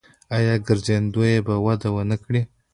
آیا ګرځندوی به وده ونه کړي؟